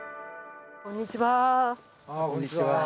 こんにちは。